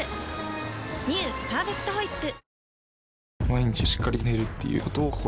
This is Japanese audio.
「パーフェクトホイップ」